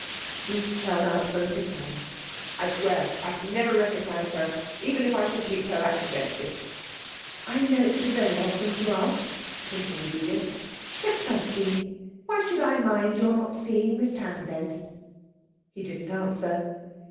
Bruce held out both his hands. 'I swear I'd never recognise her even if I should meet her accidentally.' 'I know it's a very odd thing to ask,' continued Edith, 'just a fancy; why should I mind your not seeing Miss Townsend?' He didn't answer.